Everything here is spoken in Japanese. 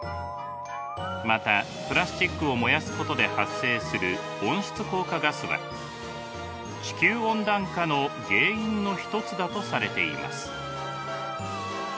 またプラスチックを燃やすことで発生する温室効果ガスは地球温暖化の原因の一つだとされています。